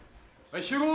集合！